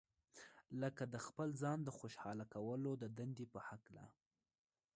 لکه د خپل ځان د خوشاله کولو د دندې په هکله.